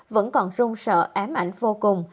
vẫn còn rung sợ ám ảnh vô cùng